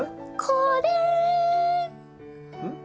「これ」